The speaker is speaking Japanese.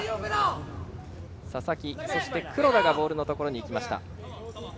佐々木、黒田がボールのところにいきました。